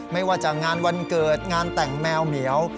ไม่ว่าจะงานวันเกิดงานแต่งแมวเหมียว